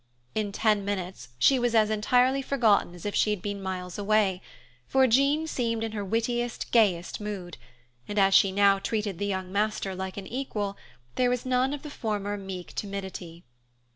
In ten minutes she was as entirely forgotten as if she had been miles away; for Jean seemed in her wittiest, gayest mood, and as she now treated the "young master" like an equal, there was none of the former meek timidity.